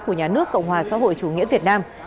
của nhà nước cộng hòa xã hội chủ nghĩa việt nam